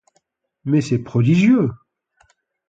Mais c'est prodigieux !